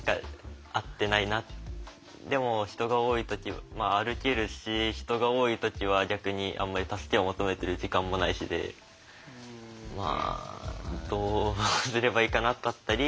でも歩けるし人が多い時は逆にあんまり助けを求めてる時間もないしでまあどうすればいいかなだったり。